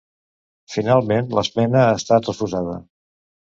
Finalment l’esmena ha estat refusada.